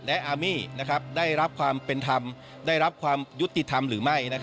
แล้วก็กำหนดทิศทางของวงการฟุตบอลในอนาคต